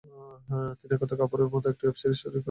এখন তিনি একতা কাপুরের একটি ওয়েব সিরিজের শুটিং করছেন।